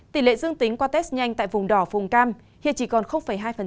tỷ lệ dương tính qua test nhanh tại vùng đỏ vùng cam hiện chỉ còn hai